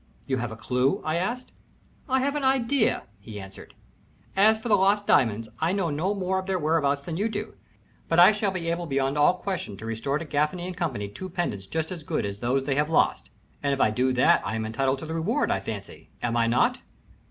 "You have a clew?" I asked. "I have an idea," he answered. "As for the lost diamonds, I know no more of their whereabouts than you do, but I shall be able beyond all question to restore to Gaffany & Co. two pendants just as good as those they have lost, and if I do that I am entitled to the reward, I fancy, am I not?"